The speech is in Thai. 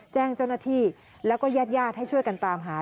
แจ้งเจ้าหน้าที่แล้วก็ญาติญาติให้ช่วยกันตามหา